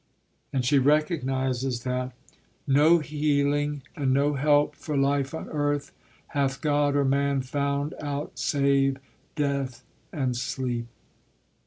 And she recognises that No healing and no help for life on earth Hath God or man found out save death and sleep.